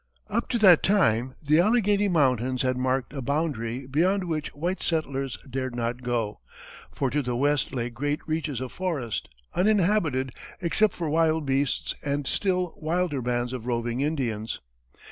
Up to that time, the Alleghany Mountains had marked a boundary beyond which white settlers dared not go, for to the west lay great reaches of forest, uninhabited except for wild beasts and still wilder bands of roving Indians.